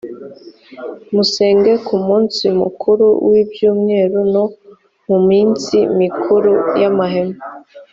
musenge ku munsi mukuru w’ibyumweru, no mu minsi mikuru y’amahema.